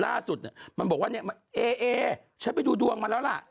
ล่าสุดเนี่ยมันบอกว่าเนี่ยเอฉันไปดูดวงมาแล้วล่ะ